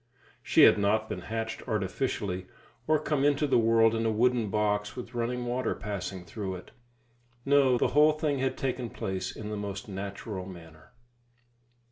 She had not been hatched artificially, or come into the world in a wooden box with running water passing through it. No, the whole thing had taken place in the most natural manner.